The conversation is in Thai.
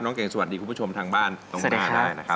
น้องเก่งสวัสดีคุณผู้ชมทางบ้านตรงหน้าได้นะครับ